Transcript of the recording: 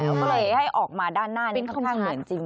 ก็เลยให้ออกมาด้านหน้านี่ค่อนข้างเหมือนจริง